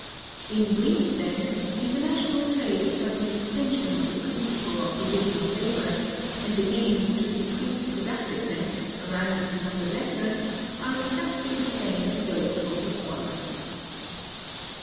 (266) In brief, then, international trade is but an extension of the principle of division of labor; and the gains to increased productiveness, arising from the latter, are exactly the same as those from the former.